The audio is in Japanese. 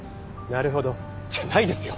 「なるほど」じゃないですよ！